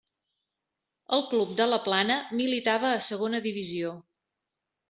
El club de la Plana militava a Segona Divisió.